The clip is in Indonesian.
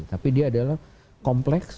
tapi dia adalah kompleks